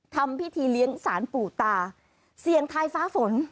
ทำพิธีเลี้ยงสารปู่ตาเสี่ยงทายฟ้าฝน